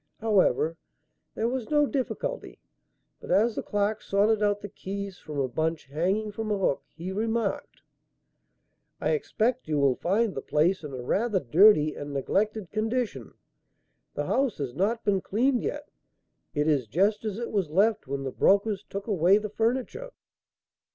However, there was no difficulty, but as the clerk sorted out the keys from a bunch hanging from a hook, he remarked: "I expect you will find the place in a rather dirty and neglected condition. The house has not been cleaned yet; it is just as it was left when the brokers took away the furniture."